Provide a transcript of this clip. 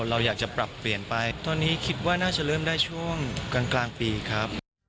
เราอยากจะปรับเปลี่ยนไปตอนนี้คิดว่าน่าจะเริ่มได้ช่วงกลางปีครับ